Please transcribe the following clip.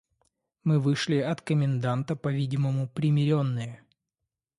Мы вышли от коменданта по-видимому примиренные.